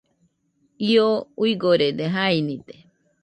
Io uigorede, jainide,